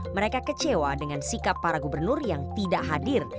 mereka kecewa dengan sikap para gubernur yang tidak hadir